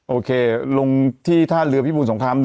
โอเคลงที่ท่าเรือพิบูรสงคราม๑